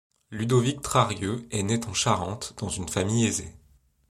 Ludovic Trarieux est né en Charente, dans une famille aisée.